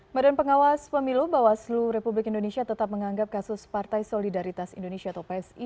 badan pengawas pemilu bawaslu republik indonesia tetap menganggap kasus partai solidaritas indonesia atau psi